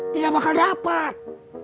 tidak bakal dapat